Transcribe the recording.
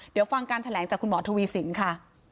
เดี๋ยวฟังการแถลงจากคุณหมอทวีสินค่ะ